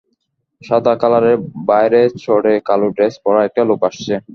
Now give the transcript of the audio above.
সাদা কালারের বাইরে চড়ে কালো ড্রেস পরা একটা লোক আসছে।